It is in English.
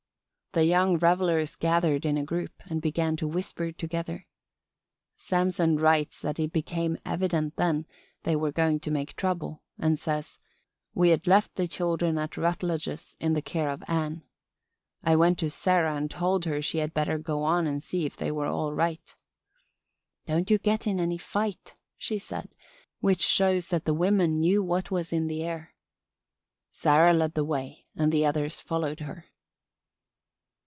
The young revelers gathered in a group and began to whisper together. Samson writes that it became evident then they were going to make trouble and says: "We had left the children at Rutledge's in the care of Ann. I went to Sarah and told her she had better go on and see if they were all right. "'Don't you get in any fight,' she said, which shows that the women knew what was in the air. "Sarah led the way and the others followed her."